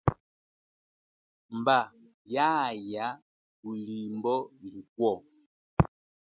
Mba, yaaya kulimbo likwo.